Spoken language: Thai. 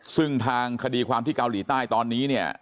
ซึ่งทางคดีความที่เกาหลีใต้ตอนนี้เนี่ย